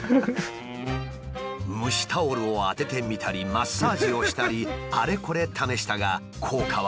蒸しタオルを当ててみたりマッサージをしたりあれこれ試したが効果は見られない。